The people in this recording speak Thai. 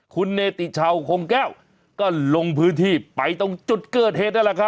คุณเนติชาวคงแก้วก็ลงพื้นที่ไปตรงจุดเกิดเหตุนั่นแหละครับ